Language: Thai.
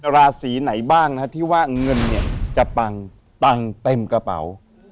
ราศรีไหนบ้างที่ว่าเงินจะปังเต็มกระเป๋า